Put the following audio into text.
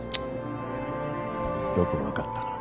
よくわかったな。